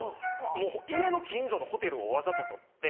家の近所のホテルをわざと取って。